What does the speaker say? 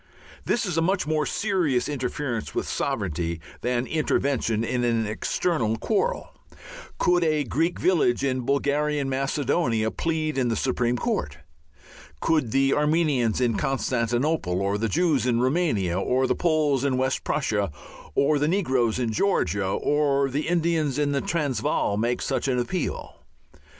This is a much more serious interference with sovereignty than intervention in an external quarrel. Could a Greek village in Bulgarian Macedonia plead in the Supreme Court? Could the Armenians in Constantinople, or the Jews in Roumania, or the Poles in West Prussia, or the negroes in Georgia, or the Indians in the Transvaal make such an appeal?